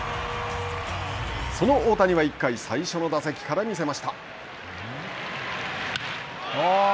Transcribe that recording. その大谷は１回最初の打席から見せました。